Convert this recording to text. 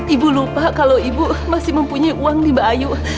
ibu lupa kalau ibu masih mempunyai uang di bayu